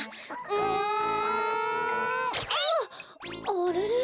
あれれ。